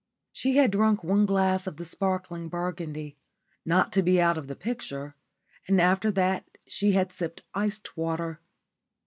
She had drunk one glass of the sparkling burgundy, not to be out of the picture, and after that had sipped iced water.